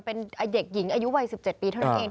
เป็นเด็กหญิงอายุวัย๑๗ปีเท่านั้นเอง